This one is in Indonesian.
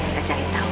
kita cari tahu